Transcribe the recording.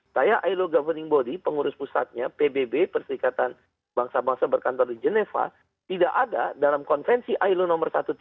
saya ailo governing body pengurus pusatnya pbb perserikatan bangsa bangsa berkantor di jeneva tidak ada dalam konvensi ailo no satu ratus tiga puluh tiga